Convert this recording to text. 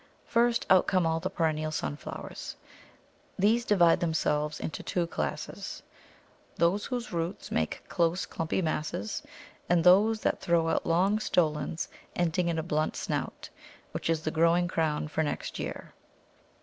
First, out come all the perennial Sunflowers. These divide themselves into two classes; those whose roots make close clumpy masses, and those that throw out long stolons ending in a blunt snout, which is the growing crown for next year.